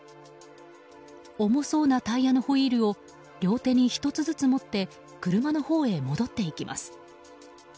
重そうなタイヤのホイールを両手に１つずつ持って車のほうへ戻っていきます。